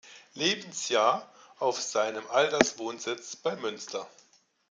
Lebensjahr auf seinem Alterswohnsitz bei Münster.